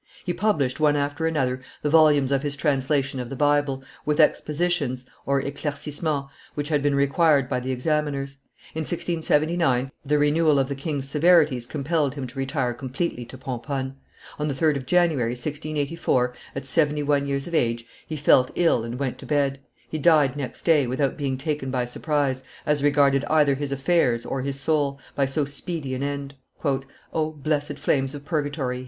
He published, one after another, the volumes of his translation of the Bible, with expositions (eclaircissements) which had been required by the examiners. In 1679 the renewal of the king's severities compelled him to retire completely to Pomponne. On the 3d of January, 1684, at seventy one years of age, he felt ill and went to bed; he died next day, without being taken by surprise, as regarded either his affairs or his soul, by so speedy an end. "O blessed flames of purgatory!"